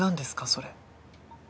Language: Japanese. それ。